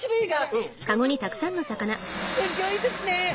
うわすギョいですね！